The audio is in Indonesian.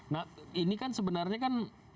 nah ini kan sebenarnya